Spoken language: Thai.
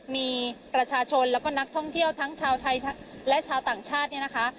มีประชาชนแล้วก็นักท่องเที่ยวทั้งชาวไทยและชาวต่างชาติเนี่ยนะคะ